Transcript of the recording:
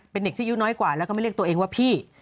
เป็นเด็กที่อายุน้อยกว่าแล้วก็ไม่เรียกตัวเองว่าพี่